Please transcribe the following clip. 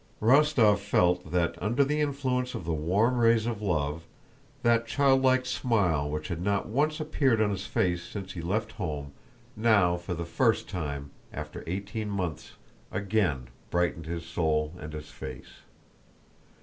Rostóv felt that, under the influence of the warm rays of love, that childlike smile which had not once appeared on his face since he left home now for the first time after eighteen months again brightened his soul and his face.